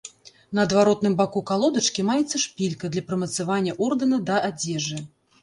На адваротным баку калодачкі маецца шпілька для прымацавання ордэна да адзежы.